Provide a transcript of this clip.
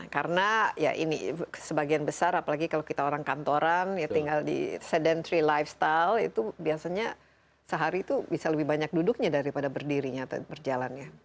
karena ya ini sebagian besar apalagi kalau kita orang kantoran ya tinggal di sedentary lifestyle itu biasanya sehari itu bisa lebih banyak duduknya daripada berdirinya atau berjalannya